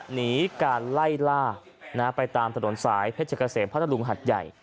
หนีกันไล่ล่าไปตามสะดวกสายเผชกเกษมพระธรุงค์หัดใหญ่